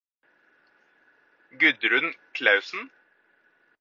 Gudrun Klausen